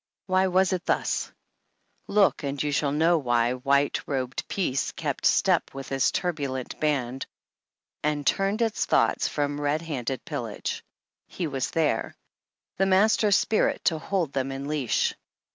Why was it thus ? Look and you shall know why white robed peace kept step with this turbulent band and turned its thought from red handed pillage. He was there. The master spirit to hold them in leash.